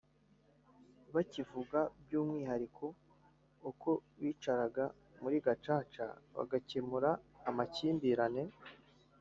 bakivuga by’umwihariko uko bicaraga muri Gacaca bagakemura amakimbirane